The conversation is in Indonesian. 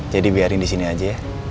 jadi biarin disini aja ya